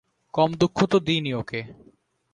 কম দুঃখ তো দিই নি ওকে।